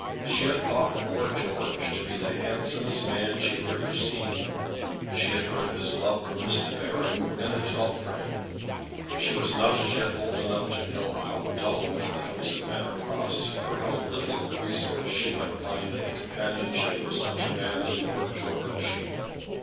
She had thought Lord George to be the handsomest man she had ever seen. She had heard of his love for Miss De Baron, and had felt for him. She was not as yet old enough to know how dull was the house at Manor Cross, or how little of resource she might find in the companionship of such a man as Lord George.